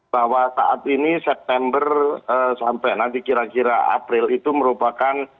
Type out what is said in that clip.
bahwa saat ini september sampai nanti kira kira april itu merupakan